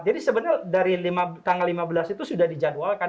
jadi sebenarnya dari tanggal lima belas itu sudah dijadwalkan